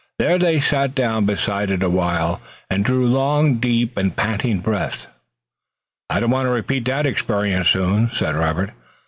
There they sat down beside it a while and drew long, deep and panting breaths. "I don't want to repeat that experience soon," said Robert.